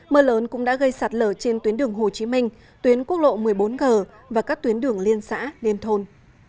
mưa lớn cũng đã gây sạt lở trên tuyến đường hồ chí minh tuyến quốc lộ một mươi bốn g và các tuyến đường liên xã liên thôn